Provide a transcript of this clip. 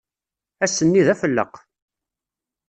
Ass-nni d afelleq.